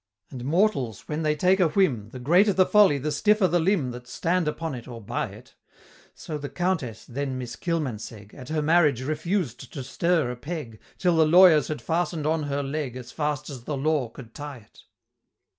And mortals when they take a whim, The greater the folly the stiffer the limb That stand upon it or by it So the Countess, then Miss Kilmansegg, At her marriage refused to stir a peg, Till the Lawyers had fasten'd on her Leg As fast as the Law could tie it.